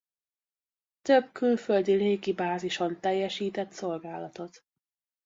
Több külföldi légibázison teljesített szolgálatot.